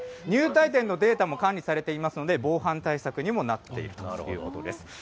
入退店のデータも管理されていますので、防犯対策にもなっているということです。